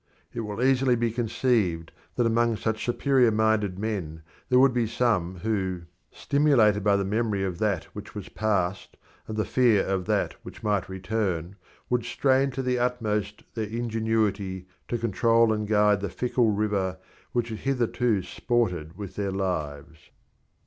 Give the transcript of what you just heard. It will easily be conceived that among such superior minded men there would be some who, stimulated by the memory of that which was past and by the fear of that which might return, would strain to the utmost their ingenuity to control and guide the fickle river which had hitherto sported with their lives.